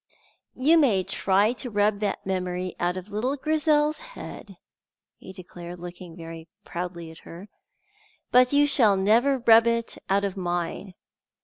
"You may try to rub that memory out of little Grizel's head," he declared, looking very proudly at her, "but you shall never rub it out of mine."